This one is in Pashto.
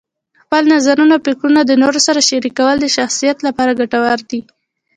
خپل نظرونه او فکرونه د نورو سره شریکول د شخصیت لپاره ګټور دي.